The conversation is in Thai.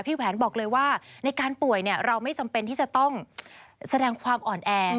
แหวนบอกเลยว่าในการป่วยเราไม่จำเป็นที่จะต้องแสดงความอ่อนแอ